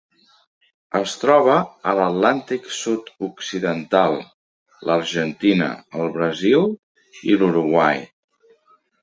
Es troba a l'Atlàntic sud-occidental: l'Argentina, el Brasil i l'Uruguai.